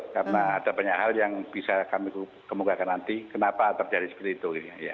karena ada banyak hal yang bisa kami kemukakan nanti kenapa terjadi seperti itu